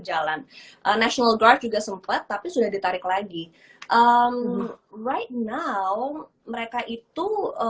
jalan national guard juga sempat tapi sudah ditarik lagi wry now mereka itu